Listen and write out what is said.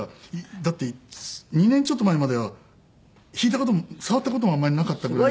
だって２年ちょっと前までは弾いた事も触った事もあんまりなかったぐらい。